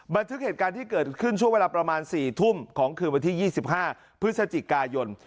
บันทึกเหตุการณ์ที่เกิดขึ้นช่วงเวลาประมาณ๔ทุ่มของคืนวันที่๒๕พฤศจิกายน